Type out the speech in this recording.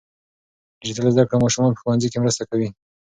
ډیجیټل زده کړه ماشومان په ښوونځي کې مرسته کوي.